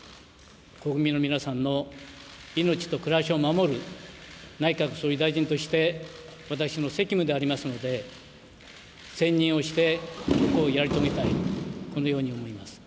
国民の皆さんの命と暮らしを守る内閣総理大臣として、私の責務でありますので、専任をしてやり遂げたい、このように思います。